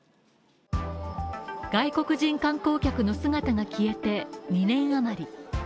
外国人観光客の姿が消えて２年余り。